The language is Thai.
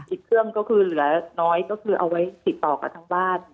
อีกเครื่องเขาคือเหลือน้อยเอาไว้ขับสิบต่อกับทั้งบ้าน